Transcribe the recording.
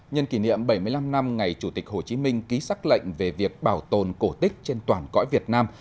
nhân kỷ niệm bảy mươi năm năm ngày chủ tịch hồ chí minh ký xác lệnh về việc bảo tồn cổ tích trên toàn cõi việt nam